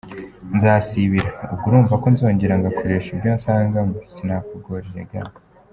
nzasibira, ubwo urumva ko nzongera ngakoresha ibyo nsanganywe! Sinakugora erega.